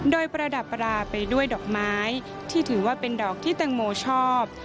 โดยประดับราไปด้วยดอกไม้ที่ถือว่าเป็นดอกที่แตงโมชอบ